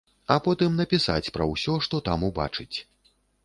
А потым напісаць пра ўсё, што там убачыць.